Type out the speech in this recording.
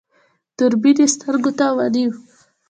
دوربين يې سترګو ته ونيو.